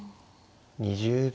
２０秒。